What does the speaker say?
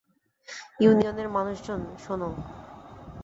ইউনিয়নের মানুষজন, শোনো!